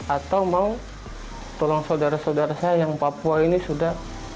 atau mau tolong saudara saudara saya yang papua ini sudah